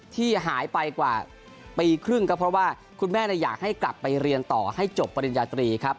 ที่หายไปกว่าปีครึ่งก็เพราะว่าคุณแม่อยากให้กลับไปเรียนต่อให้จบปริญญาตรีครับ